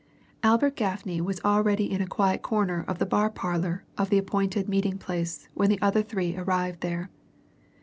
Albert Gaffney was already in a quiet corner of the bar parlour of the appointed meeting place when the other three arrived there.